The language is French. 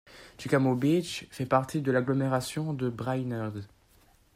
Chickamaw Beach fait partie de l’agglomération de Brainerd.